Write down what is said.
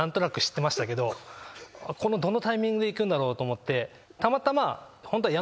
どのタイミングでいくんだろうと思って。